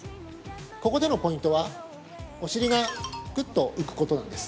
ここでのポイントは、お尻がくっと浮くことなんです。